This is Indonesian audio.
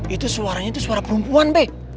itu suaranya itu suara perempuan bek